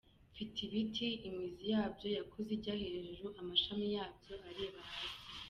Mfite ibiti ; imizi yabyo yakuze ijya hejuru, amashami yabyo areba hasi.